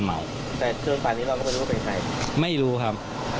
ไม่รู้ครับ